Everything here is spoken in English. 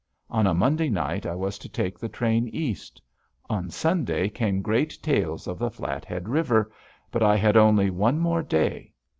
On a Monday night I was to take the train East. On Sunday came great tales of the Flathead River. But I had only one more day.